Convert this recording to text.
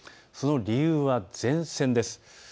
その理由は前線です。